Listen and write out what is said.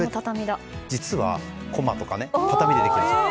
実は、コマとか畳でできているんです。